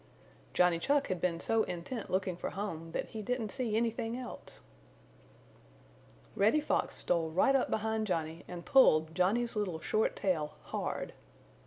Johnny Chuck had been so intent looking for home that he didn't see anything else. Reddy Fox stole right up behind Johnny and pulled Johnny's little short tail hard.